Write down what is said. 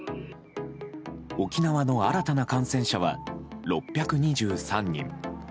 沖縄の新たな感染者は６２３人。